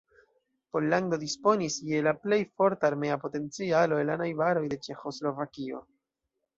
Pollando disponis je la plej forta armea potencialo el la najbaroj de Ĉeĥoslovakio.